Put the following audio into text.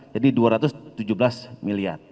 jadi dua ratus tujuh belas miliar